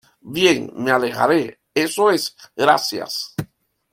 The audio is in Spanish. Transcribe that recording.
Bien, me alejaré. Eso es . gracias .